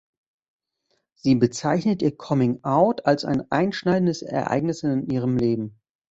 Sie bezeichnet ihr Coming Out als ein einschneidendes Ereignis in ihrem Leben.